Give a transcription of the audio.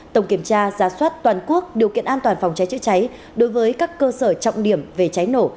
tổng kiểm tra giá soát toàn quốc điều kiện an toàn phòng cháy chữa cháy đối với các cơ sở trọng điểm về cháy nổ